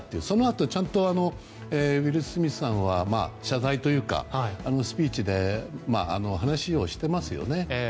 そのあと、ちゃんとウィル・スミスさんは謝罪というかスピーチで話をしていますよね。